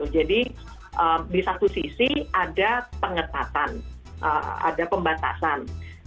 jadi di satu sisi ada pengetatan ada pembatasan